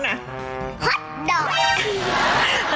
ฮัดดอก